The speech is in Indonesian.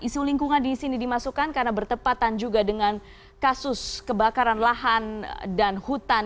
isu lingkungan di sini dimasukkan karena bertepatan juga dengan kasus kebakaran lahan dan hutan